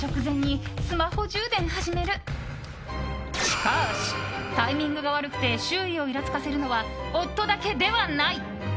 しかしタイミングが悪くて周囲をイラつかせるのは夫だけではない。